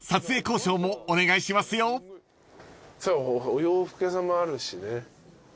お洋服屋さんもあるしね。